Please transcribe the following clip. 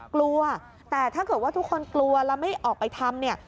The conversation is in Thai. กลัวแต่ถ้าเกิดว่าทุกคนกลัวแล้วไม่ออกไปทำเนี่ย